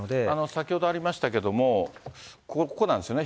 先ほどありましたけれども、ここなんですよね。